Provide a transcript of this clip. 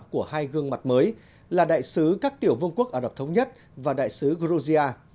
của hai gương mặt mới là đại sứ các tiểu vương quốc ả rập thống nhất và đại sứ georgia